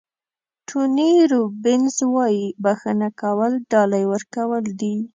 ټوني روبینز وایي بښنه کول ډالۍ ورکول دي.